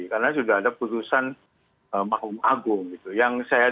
karena sudah ada keputusan mahum agung